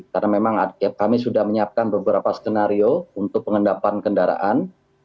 karena memang kami sudah menyiapkan beberapa skenario untuk pengendapan kendaraan